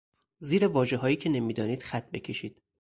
زیر واژههایی که نمیدانید خط بکشید.